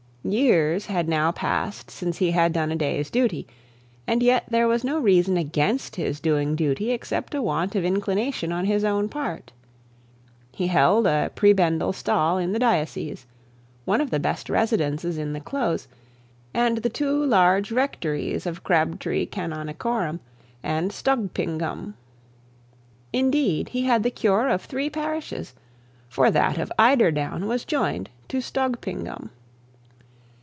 Years had now passed since he had done a day's duty; and yet there was no reason against his doing duty except a want of inclination on his own part. He held a prebendal stall in the diocese; one of the best residences in the close; and the two large rectories of Crabtree Canonicorum, and Stogpingum. Indeed, he had the cure of three parishes, for that of Eiderdown was joined to Stogpingum.